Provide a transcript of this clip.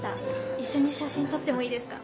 一緒に写真撮ってもいいですか？